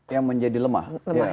yang menjadi lemah